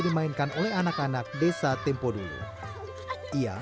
dimainkan oleh anak anak desa tempo dulu ia